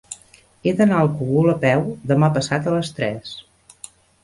He d'anar al Cogul a peu demà passat a les tres.